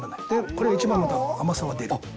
これが一番、また甘さは出る。